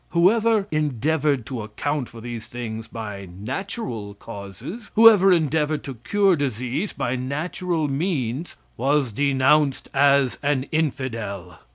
Whoever endeavored to account for these things by natural causes; whoever endeavored to cure disease by natural means was denounced as an Infidel.